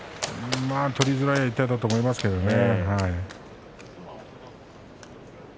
取りづらいと思いますけどね。